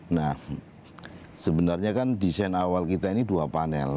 nah sebenarnya kan desain awal kita ini dua panel